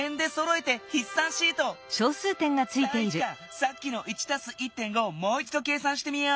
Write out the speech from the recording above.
さっきの「１＋１．５」をもういちど計算してみよう。